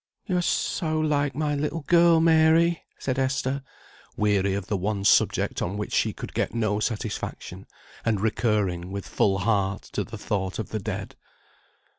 "You are so like my little girl, Mary!" said Esther, weary of the one subject on which she could get no satisfaction, and recurring, with full heart, to the thought of the dead.